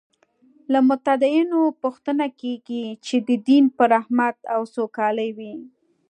له متدینو پوښتنه کېږي چې دین به رحمت او سوکالي وي.